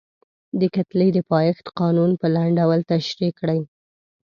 د کتلې د پایښت قانون په لنډ ډول تشریح کړئ.